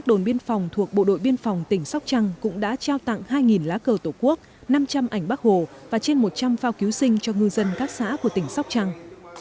đề tỉnh sóc trăng đã tặng một lá cờ tổ quốc năm trăm linh tấm ảnh bác hồ và một trăm linh phao cứu sinh cho ngư dân các xã biển huyện trần đề